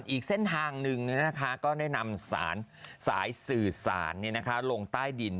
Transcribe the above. อีกเส้นทางหนึ่งก็ได้นำสารสายสื่อสารลงใต้ดิน